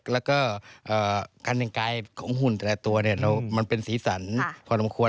แล้วก็การแต่งกายของหุ่นแต่ละตัวมันเป็นสีสันพอสมควร